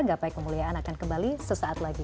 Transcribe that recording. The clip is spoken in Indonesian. gapai kemuliaan akan kembali sesaat lagi